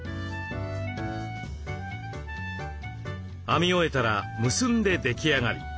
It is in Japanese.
編み終えたら結んで出来上がり。